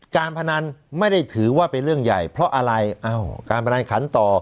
การพนันไม่ได้ถือว่าเป็นเรื่องใหญ่เพราะอะไรอ้าวการพนันขันต่อ